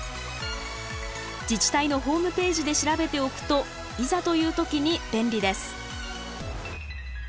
自治体のホームページで調べておくといざという時に便利です。